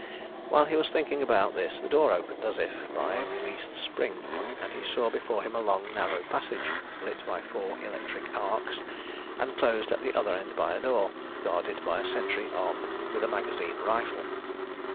While he was thinking about this the door opened, as if by a released spring, and he saw before him a long, narrow passage, lit by four electric arcs, and closed at the other end by a door, guarded by a sentry armed with a magazine rifle.